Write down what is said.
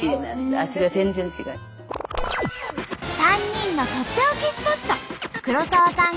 ３人のとっておきスポットじゃん！